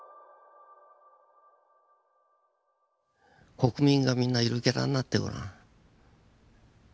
国民がみんなゆるキャラになってごらん。